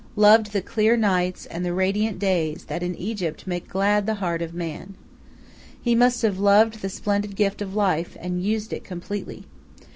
loved the clear nights and the radiant days that in Egypt make glad the heart of man. He must have loved the splendid gift of life, and used it completely.